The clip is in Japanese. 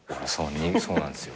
そうなんですよ。